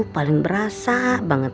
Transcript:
paling berasa banget